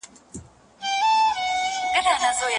ارمان کاکا په خپلو لړزېدلو لاسونو د ونې تنه لمس کړه.